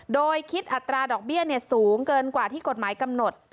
โดยคิดอัตราดอกเบี้ยสูงเกินกว่าที่กฎหมายกำหนด